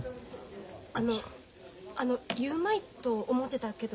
あのあの言うまいと思ってたけど。